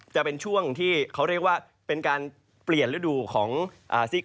จะเป็นช่วงที่เขาเรียกว่าเป็นการเปลี่ยนฤดูของ